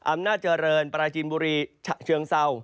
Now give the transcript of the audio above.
อำนาจเจริญปราจินบุรีฉะเชิงเศร้า